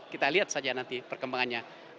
kita lihat saja nanti perkembangannya